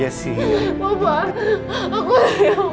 jassi gak boleh